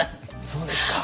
そうですか！